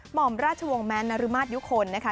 ห่อมราชวงศ์แม้นรมาศยุคลนะคะ